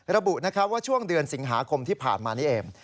ระบุว่าช่วงเดือนสิงหาคมที่ผ่านมานี้เอง